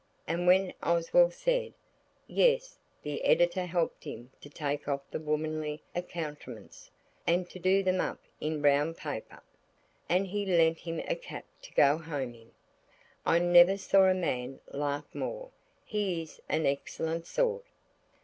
and when Oswald said, "Yes," the editor helped him to take off all the womanly accoutrements, and to do them up in brown paper. And he lent him a cap to go home in. I never saw a man laugh more. He is an excellent sort.